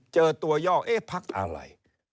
เจอตัวย่อเอ๊ะพักอะไร